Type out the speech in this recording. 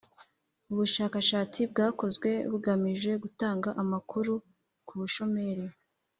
Ubushakashatsi bwakozwe bugamije gutanga amakuru ku bushomeri